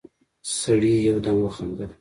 سړي يودم وخندل: